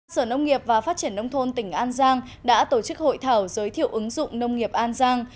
sở nông nghiệp và phát triển nông thôn tỉnh an giang đã tổ chức hội thảo giới thiệu ứng dụng nông nghiệp an giang